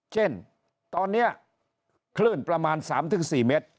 เช่นตอนนี้คลื่นประมาณ๓๔เมตร